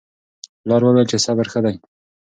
پلار وویل چې صبر ښه دی.